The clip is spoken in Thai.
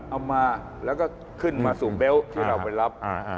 เอามาแล้วก็ขึ้นมาสู่เบลต์ที่เราไปรับ